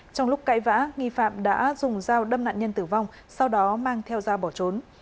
trong lúc cãi vã nghi phạm đã dùng dao đâm nạn nhân tử vong sau đó mang theo dao bỏ trốn